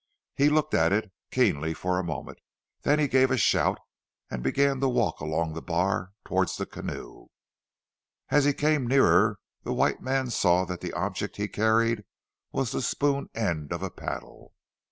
He looked at it keenly for a moment, then he gave a shout, and began to walk along the bar towards the canoe. As he came nearer, the white man saw that the object he carried was the spoon end of a paddle.